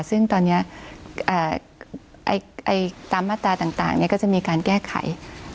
ซึ่งตอนนี้ตามมาตราต่างก็จะมีการแก้ไข